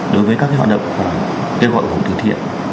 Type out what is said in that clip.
đối với các hoạt động và kế hoạch của hồ tư thiện